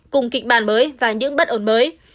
cùng kịch bản mới và những bất ổn mới